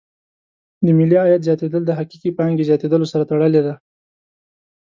د ملي عاید زیاتېدل د حقیقي پانګې زیاتیدلو سره تړلې دي.